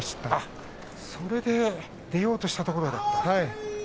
それで出ようとしたところだったんですね。